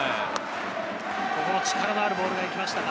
力のあるボールが行きました。